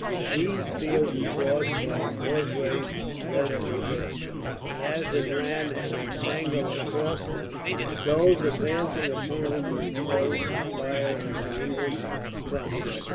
These fields were crossed by a causeway which led to the village, but as it ran at an angle across them, those advancing upon it were exposed to the fire of the English front.